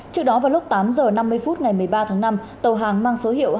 trước đó vào lúc tám giờ năm mươi phút ngày một mươi ba tháng năm tàu hàng mang số hiệu hh bốn